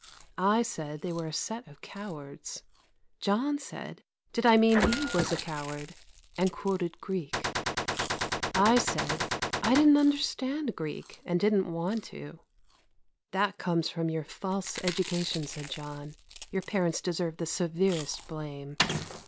I said they were a set of cowards. John said did I mean he was a coward, and quoted Greek. I said I didn't understand Greek and didn't want to. "That comes from your false education," said John; "your parents deserve the severest blame."